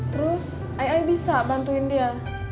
terus ai ai bisa bantuin dia